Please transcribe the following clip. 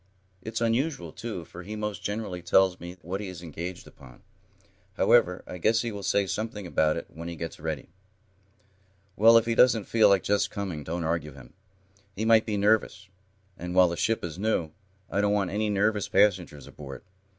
It's unusual, too, for he most generally tells me what he is engaged upon. However, I guess he will say something about it when he gets ready." "Well, if he doesn't feel just like coming, don't argue him. He might be nervous, and, while the ship is new, I don't want any nervous passengers aboard.